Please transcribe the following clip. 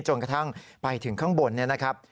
จนกระทั่งไปถึงข้างบนเนี่ยนะครับ